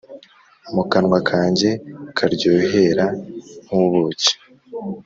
Mu kanwa kanjye karyohera nk’ubuki,